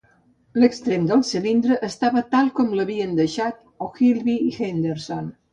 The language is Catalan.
L'extrem del cilindre estava tal com l'havien deixat Ogilvy i Henderson.